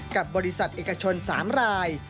กับบริษัทเอกชน๓ราย